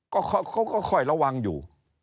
เขาก็ค่อยระวังอยู่